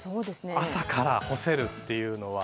朝から干せるっていうのは。